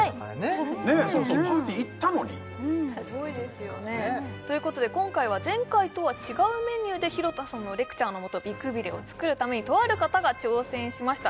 そうそうパーティー行ったのにすごいですよねということで今回は前回とは違うメニューで廣田さんのレクチャーのもと美くびれを作るためにとある方が挑戦しました